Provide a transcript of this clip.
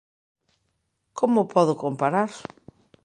¿Como podo comparar?